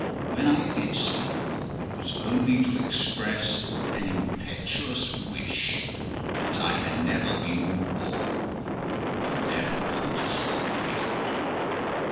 When I did speak, it was only to express an impetuous wish that I had never been born, or never come to Thornfield.